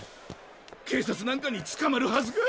警察なんかにつかまるはずが。